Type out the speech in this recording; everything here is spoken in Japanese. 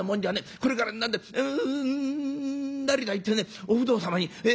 これから何だ成田行ってねお不動様に。